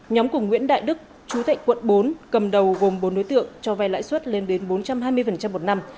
nhóm của nguyễn đại đức chú thạnh quận bốn cầm đầu gồm bốn đối tượng cho vai lãi suất lên đến bốn trăm hai mươi một năm